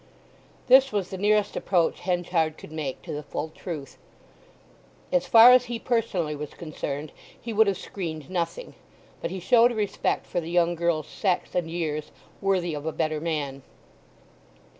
This was the nearest approach Henchard could make to the full truth. As far as he personally was concerned he would have screened nothing; but he showed a respect for the young girl's sex and years worthy of a better man.